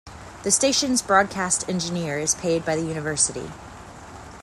The station's broadcast engineer is paid by the university.